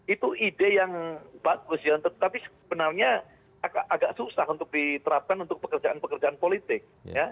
itu ide yang bagus tapi sebenarnya agak susah untuk diterapkan untuk pekerjaan pekerjaan politik